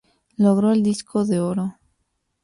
Logró el disco de oro.